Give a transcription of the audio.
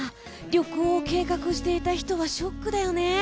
旅行を計画していた人はショックだよね。